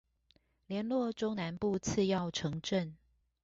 連絡中南部次要城鎮